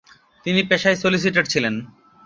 তিনি পেশায় সলিসিটার ছিলেন।